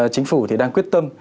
chính phủ thì đang quyết tâm